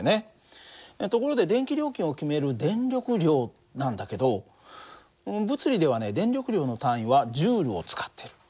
ところで電気料金を決める電力量なんだけど物理ではね電力量の単位はＪを使ってる。